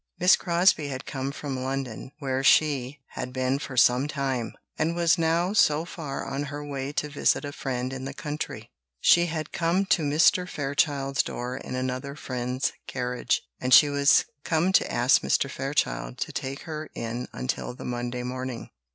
Miss Crosbie had come from London, where she had been for some time, and was now so far on her way to visit a friend in the country. She had come to Mr. Fairchild's door in another friend's carriage, and she was come to ask Mr. Fairchild to take her in until the Monday morning.